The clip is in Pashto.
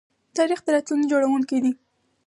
تاریخ د راتلونکي جوړونکی دی.